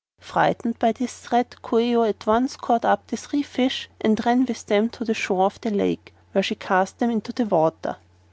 Frightened by this threat, Coo ee oh at once caught up the three fish and ran with them to the shore of the lake, where she cast them into the water.